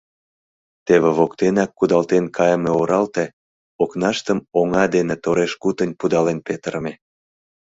Теве воктенак кудалтен кайыме оралте — окнаштым оҥа дене тореш-кутынь пудален петырыме.